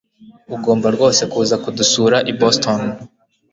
Ugomba rwose kuza kudusura i Boston